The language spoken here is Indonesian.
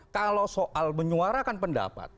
kalau soal menyuarakan pendapat